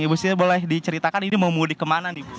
ibu siti boleh diceritakan ini mau mudik kemana nih bu